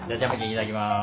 いただきます。